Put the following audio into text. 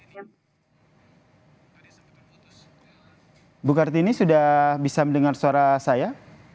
ibu kartini sudah bisa mendengar suara saya